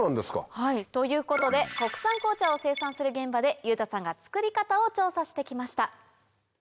はいということで国産紅茶を生産する現場で裕太さんが作り方を調査して来ました。